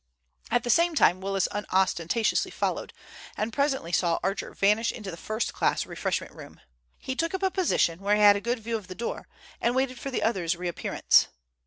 At the same time Willis unostentatiously followed, and presently saw Archer vanish into the first class refreshment room. He took up a position where he had a good view of the door, and waited for the other's reappearance.